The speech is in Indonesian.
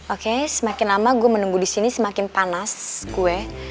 oke semakin lama gue menunggu di sini semakin panas kue